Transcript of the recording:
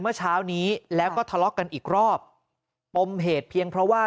เมื่อเช้านี้แล้วก็ทะเลาะกันอีกรอบปมเหตุเพียงเพราะว่า